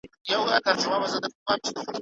سیاستوال کله د ډیپلوماسۍ اصول کاروي؟